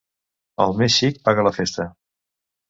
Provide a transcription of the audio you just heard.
El més xic paga la festa.